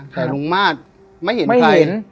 แต่ลุงมาตรไม่เห็นใคร